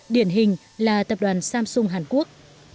điển hình là tập đoàn samsung hàn quốc